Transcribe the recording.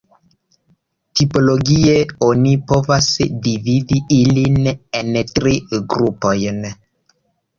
Tipologie oni povas dividi ilin en tri grupojn.